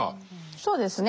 そうですね。